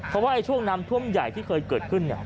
เพราะว่าช่วงน้ำท่วมใหญ่ที่เคยเกิดขึ้น